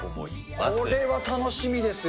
これは楽しみですよ。